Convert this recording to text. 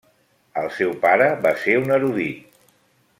El seu pare va ser un erudit.